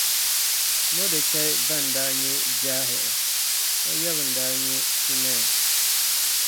Mɔdɛkai ba n-daa nyɛ Jair. O yaba n-daa nyɛ Shimei.